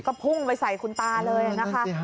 ก็พุ่งไปใส่คุณตาเลยนะคะ